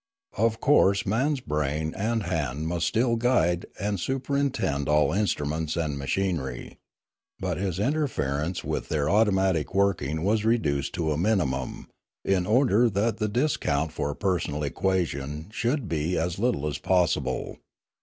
Of course man's brain and hand must still guide and superintend all instru ments and machinery, but his interference with their automatic working was reduced to a minimum, in order that the discount for personal equation should be as little as possible.